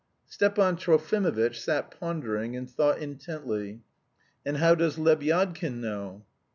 '" Stepan Trofimovitch sat pondering, and thought intently. "And how does Lebyadkin know?"